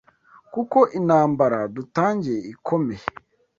kuko intambara dutangiye ikomeye